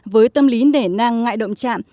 với tâm lý nể nang ngại động trang